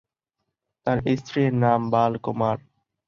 তার স্ত্রী এর নাম বাল কুমার।